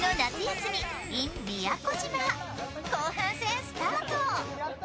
後半戦スタート。